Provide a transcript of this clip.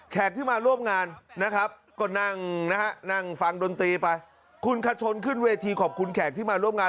ที่มาร่วมงานนะครับก็นั่งนะฮะนั่งฟังดนตรีไปคุณคชนขึ้นเวทีขอบคุณแขกที่มาร่วมงาน